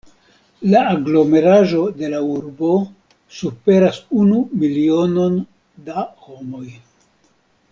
La aglomeraĵo de la urbo superas unu milionon da homoj.